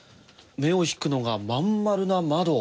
目を引くのが真ん丸な窓。